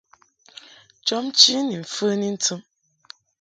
Jɔbnchi ni mfəni ntɨm.